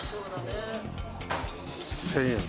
１０００円。